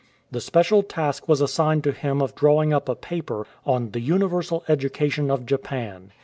The special task was assigned to him of drawing up a paper on " The Universal Education of Japan.""